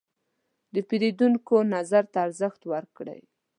د پیرودونکو نظر ته ارزښت ورکړئ.